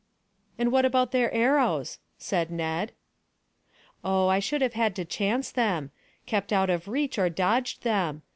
"And what about their arrows?" said Ned. "Oh, I should have had to chance them. Kept out of reach, or dodged them.